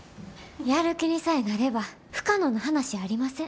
やる気にさえなれば不可能な話やありません。